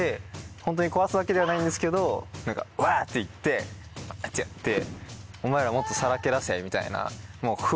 ホントに壊すわけではないんですけど「わっ！」て言ってやって「お前らもっとさらけ出せ」みたいな。